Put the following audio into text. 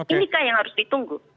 ini kah yang harus ditunggu